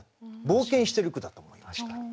冒険している句だと思いました。